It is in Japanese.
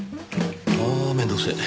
ああ面倒くせえ。